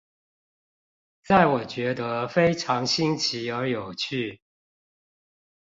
在我覺得非常新奇而有趣